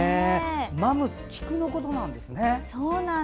マム、菊のことなんですね。